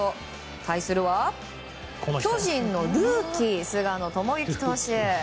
対するは巨人のルーキー菅野智之投手。